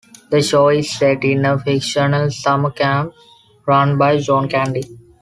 The show is set in a fictional summer camp run by John Candy.